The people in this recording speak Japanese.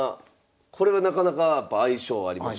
これはなかなかやっぱ相性ありますよね。